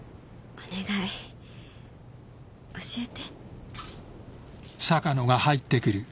お願い教えて。